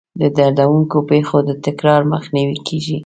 د دردونکو پېښو د تکرار مخنیوی کیږي.